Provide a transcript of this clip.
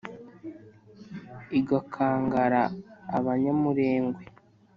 Igakangara abanyamurengwe